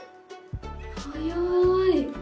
早い。